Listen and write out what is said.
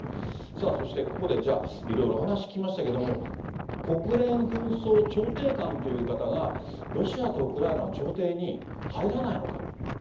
さあ、そしてここでいろいろ話聞きましたけど、国連紛争調停官という方が、ロシアとウクライナの調停に、入らないのか。